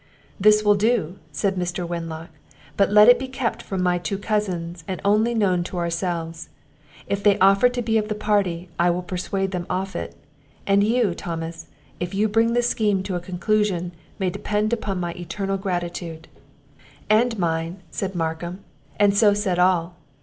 "This will do," said Mr. Wenlock; "but let it be kept from my two cousins, and only known to ourselves; if they offer to be of the party, I will persuade them off it. And you, Thomas, if you bring this scheme to a conclusion, may depend upon my eternal gratitude." "And mine," said Markham; and so said all.